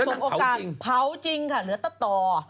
โอกาสเผาจริงค่ะเหลือตะต่อ